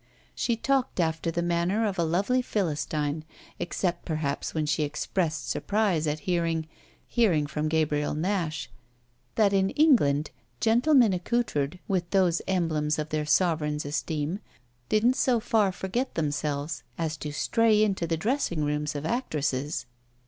She talked after the manner of a lovely Philistine, except perhaps when she expressed surprise at hearing hearing from Gabriel Nash that in England gentlemen accoutred with those emblems of their sovereign's esteem didn't so far forget themselves as to stray into the dressing rooms of actresses.